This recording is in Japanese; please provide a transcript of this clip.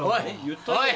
おい。